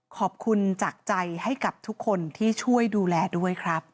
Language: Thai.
ขอบคุณจากใจให้กับทุกคนที่ช่วยดูแลด้วยครับ